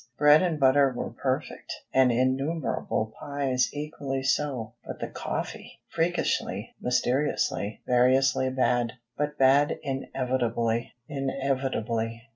Bread and butter were perfect, and innumerable pies equally so. But the coffee! Freakishly, mysteriously, variously bad; but bad inevitably.